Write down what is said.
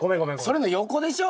それの横でしょ。